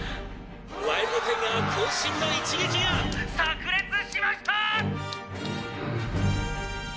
ワイルドタイガー渾身の一撃が炸裂しましたぁ！！」